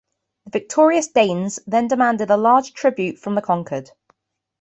The victorious Danes then demanded a large tribute from the conquered.